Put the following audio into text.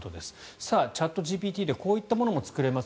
チャットＧＰＴでこういったものも作れます。